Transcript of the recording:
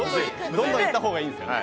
どんどんいった方がいいですかね？